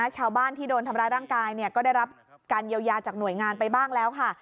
ชาวบ้านที่โดนทำร้ายร่างกายก็ได้รับการเยียวยาจากหน่วยงานไปบ้างแล้วค่ะ